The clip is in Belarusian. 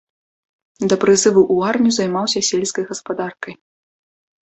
Да прызыву ў армію займаўся сельскай гаспадаркай.